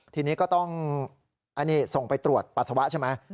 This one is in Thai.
ทีนี้ก็ต้องอันนี้ส่งไปตรวจปัสสาวะใช่ไหม